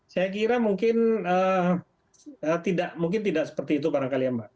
saya kira mungkin tidak seperti itu barangkali ya mbak